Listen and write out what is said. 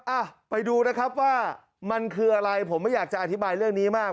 อ่ะไปดูนะครับว่ามันคืออะไรผมไม่อยากจะอธิบายเรื่องนี้มาก